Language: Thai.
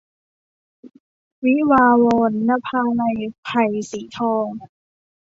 วิวาห์วอน - นภาลัย ไผ่สีทอง